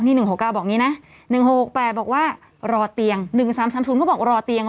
นี่๑๖๙บอกอย่างนี้นะ๑๖๖๘บอกว่ารอเตียง๑๓๓๐เขาบอกรอเตียง